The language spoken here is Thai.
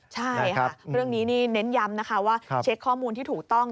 ใช่เรื่องนี้เน้นยำว่าเช็คข้อมูลที่ถูกต้อง